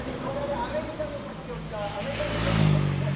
アメリカの作曲家アメリカのクラシックあるんですね。